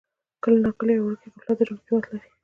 کله ناکله یو وړوکی غفلت د ژوند قیمت لري.